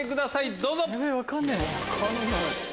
どうぞ。